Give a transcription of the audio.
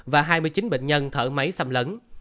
và hai mươi chín bệnh nhân thở máy xâm lấn